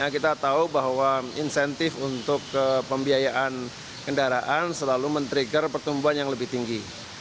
kita tahu bahwa insentif untuk pembiayaan kendaraan selalu men trigger pertumbuhan yang lebih tinggi